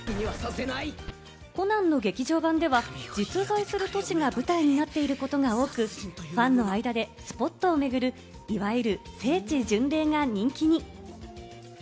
コナンの劇場版では実在する都市が舞台になっていることが多く、ファンの間でスポットを巡る、いわゆる聖地巡礼が人気に。